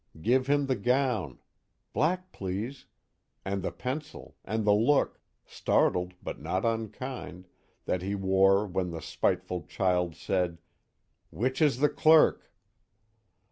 Give him the gown black, please! and the pencil, and the look, startled but not unkind, that he wore when the spiteful child said: "_Which is the Clerk?